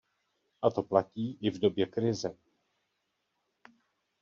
A to platí i v době krize.